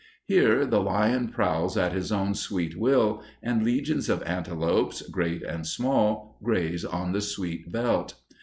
Here the lion prowls at his own sweet will, and legions of antelopes, great and small, graze on the sweet veldt.